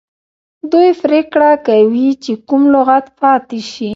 دوی پریکړه کوي چې کوم لغت پاتې شي.